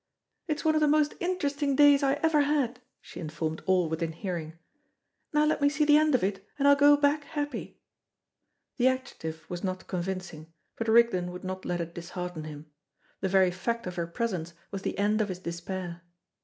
"It's one of the most interesting days I ever had," she informed all within hearing; "now let me see the end of it, and I'll go back happy." The adjective was not convincing, but Rigden would not let it dishearten him. The very fact of her presence was the end of his despair.